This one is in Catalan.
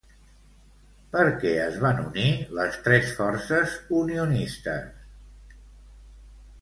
Per què es van unir les tres forces unionistes?